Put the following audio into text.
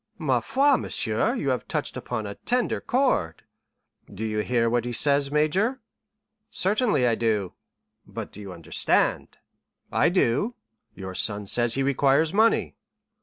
"Ma foi! monsieur, you have touched upon a tender chord." "Do you hear what he says, major?" "Certainly I do." "But do you understand?" "I do." "Your son says he requires money."